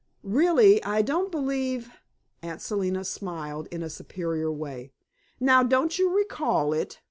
"Really, I don't believe " Aunt Selina smiled in a superior way. "Now, don't you recall it?"